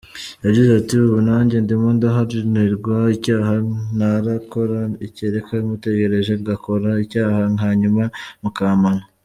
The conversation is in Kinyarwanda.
Yagize ati: "Ubu nanjye ndimo ndahanirwa icyaha ntarakora, kereka mutegereje ngakora icyaha hanyuma mukampana.